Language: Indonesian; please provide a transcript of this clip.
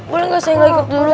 boleh gak saya gak ikut dulu